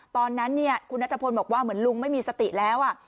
ตอนนั้นคุณนัทพลบอกว่าเหมือนลุงไม่มีสติแล้ว